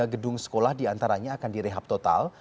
delapan puluh tiga gedung sekolah di antaranya akan direhab total